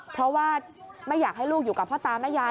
เพราะว่าไม่อยากให้ลูกอยู่กับพ่อตาแม่ยาย